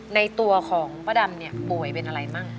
ในตัวของพระดำป่วยเป็นอะไรบ้าง